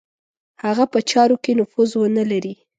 هغه په چارو کې نفوذ ونه لري.